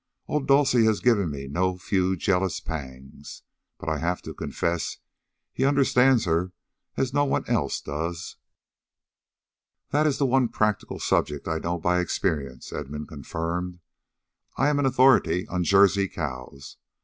Oh, Dulcie has given me no few jealous pangs. But I have to confess he understands her as no one else does." "That is the one practical subject I know by experience," Edmund confirmed. "I am an authority on Jersey cows.